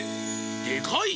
でかい！